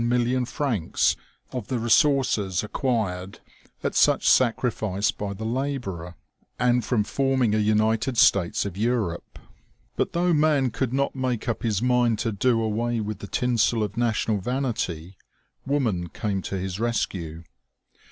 191 million francs of the resources acquired at such sacrifice by the laborer, and from forming a United States of Europe. But though man could not make up his mind to do away with the tinsel of national vanity, woman came to his rescue.